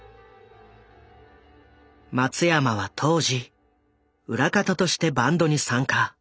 松山は当時裏方としてバンドに参加。